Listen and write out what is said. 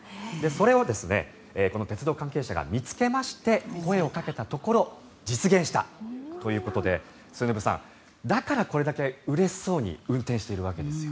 それを鉄道関係者が見つけまして声をかけたところ実現したということで末延さん、だからこれだけうれしそうに運転してるわけですよ。